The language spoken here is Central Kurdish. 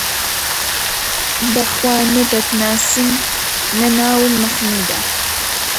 بەخوا نە دەتناسم، نە ناوم مەحموودە